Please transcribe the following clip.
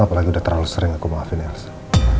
apalagi udah terlalu sering aku maafin elsa